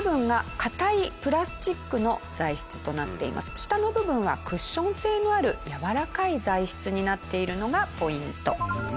下の部分はクッション性のあるやわらかい材質になっているのがポイント。